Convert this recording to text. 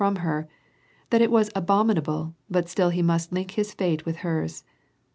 from her ; that it was abominable, but still he must link his fate with hers.